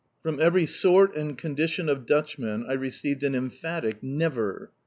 From every sort and condition of Dutchmen I received an emphatic "never!"